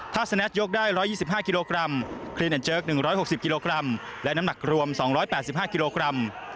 ถ้าสแนทยกได้๑๒๕กิโลกรัมคลินแอนเจิก๑๖๐กิโลกรัมและน้ำหนักรวม๒๘๕กิโลกรัม